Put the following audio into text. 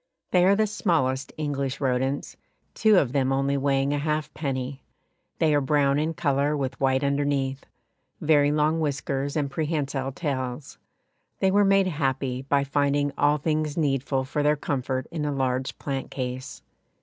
They are the smallest English rodents, two of them only weighing a halfpenny; they are brown in colour with white underneath, very long whiskers and prehensile tails. They were made happy by finding all things needful for their comfort in a large plant case.